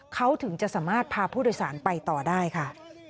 เขาถึงจะสามารถพาผู้โดยสารไปต่อได้ค่ะ